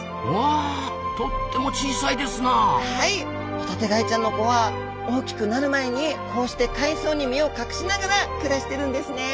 ホタテガイちゃんの子は大きくなる前にこうして海藻に身を隠しながら暮らしてるんですねえ。